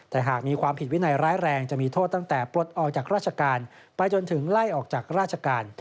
แต่หากมีความผิดวินัยร้ายแรงจะมีโทษตั้งแต่ปลดออกจากราชการไปจนถึงไล่ออกจากราชการ